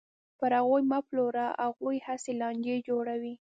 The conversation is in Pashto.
پر هغوی یې مه پلوره، هغوی هسې لانجې جوړوي.